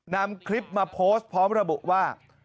นำคลิปมาโพสต์พร้อมระบุว่า